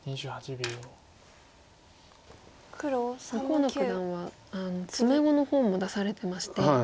河野九段は詰碁の本も出されてまして。